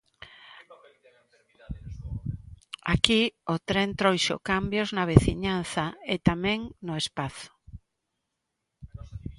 Aquí o tren trouxo cambios na veciñanza e tamén no espazo.